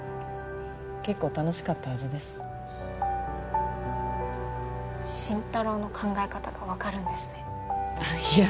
結構楽しかったはずです真太郎の考え方が分かるんですねあっいや